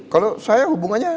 kalau saya hubungannya